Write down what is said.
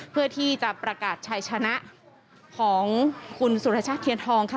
เพื่อที่จะประกาศชายชนะของคุณสุรชาติเทียนทองค่ะ